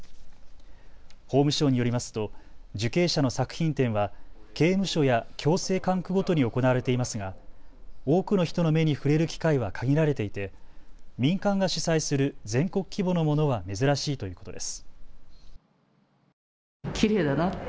法務省によりますと受刑者の作品展は刑務所や矯正管区ごとに行われていますが多くの人の目に触れる機会は限られていて民間が主催する全国規模のものは珍しいということです。